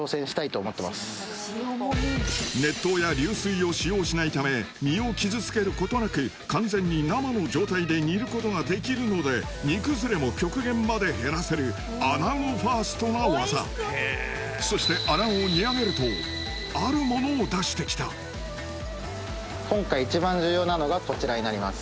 熱湯や流水を使用しないため身を傷つけることなく完全に生の状態で煮ることができるので煮崩れも極限まで減らせる穴子ファーストな技そして穴子を煮上げるとあるモノを出してきた今回一番重要なのがこちらになります。